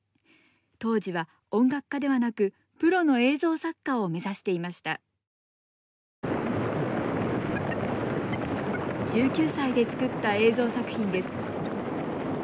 当時は音楽家ではなくプロの映像作家を目指していました１９歳で作った映像作品です。